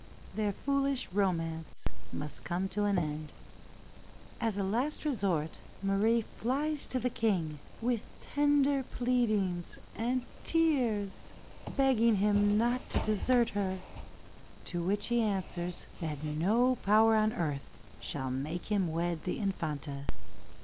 Their foolish romance must come to an end. As a last resource Marie flies to the King, with tender pleadings and tears, begging him not to desert her; to which he answers that no power on earth shall make him wed the Infanta.